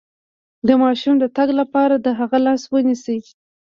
د ماشوم د تګ لپاره د هغه لاس ونیسئ